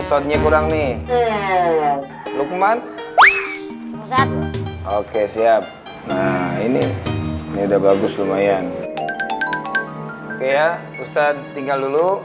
shortnya kurang nih lukman oke siap nah ini udah bagus lumayan ya ustadz tinggal dulu